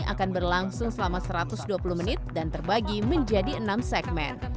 akan berlangsung selama satu ratus dua puluh menit dan terbagi menjadi enam segmen